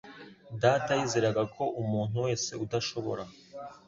Data yizeraga ko umuntu wese udashobora